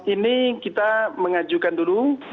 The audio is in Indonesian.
ini kita mengajukan dulu